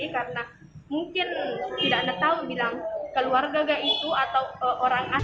karena mungkin tidak ada tahu bilang keluarga gak itu atau orang asli